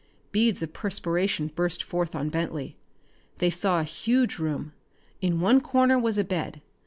Beads of perspiration burst forth on Bentley. They saw a huge room. In one corner was a bed.